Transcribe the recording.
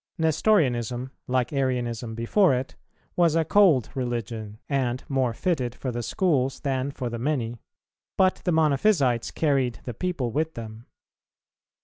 Nestorianism, like Arianism[317:1] before it, was a cold religion, and more fitted for the schools than for the many; but the Monophysites carried the people with them.